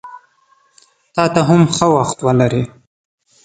تاته هم ښه وخت ولرې!